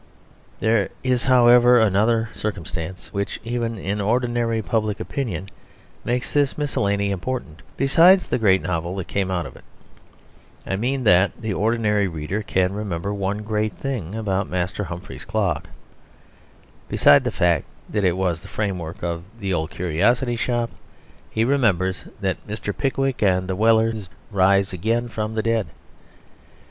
There is, however, another circumstance which, even in ordinary public opinion, makes this miscellany important, besides the great novel that came out of it. I mean that the ordinary reader can remember one great thing about Master Humphrey's Clock, besides the fact that it was the frame work of The Old Curiosity Shop. He remembers that Mr. Pickwick and the Wellers rise again from the dead.